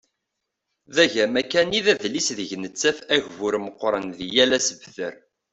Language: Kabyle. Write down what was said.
D agama kan i d adlis deg nettaf agbur meqqren di yal asebter.